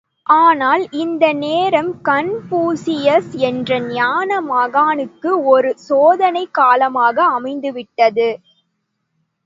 ஆனால், இந்த நேரம் கன்பூசியஸ் என்ற ஞான மகானுக்கு ஒரு சோதனைக் காலமாக அமைந்து விட்டது.